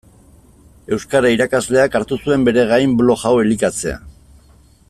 Euskara irakasleak hartu zuen bere gain blog hau elikatzea.